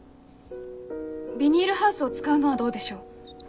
ビニールハウスを使うのはどうでしょう？